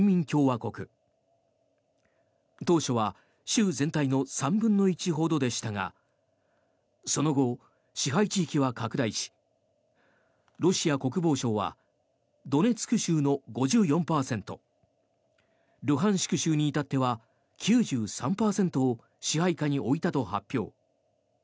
共和国当初は州全体の３分の１ほどでしたがその後、支配地域は拡大しロシア国防省はドネツク州の５４％ルハンシク州に至っては９３％を支配下に置いたと発表。